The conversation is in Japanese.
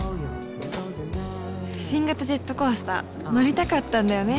新型ジェットコースター乗りたかったんだよね。